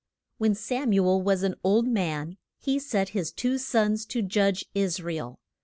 When Sam u el was an old man he set his two sons to judge Is ra el.